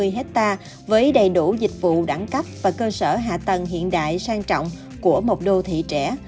bốn trăm hai mươi hectare với đầy đủ dịch vụ đẳng cấp và cơ sở hạ tầng hiện đại sang trọng của một đô thị trẻ